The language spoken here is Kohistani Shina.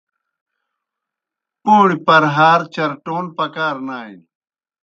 پَوݨیْ پرہار چرٹون پکار نانیْ۔